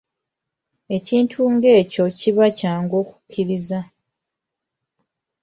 Ekintu ng'ekyo kiba kyangu kukkiriza.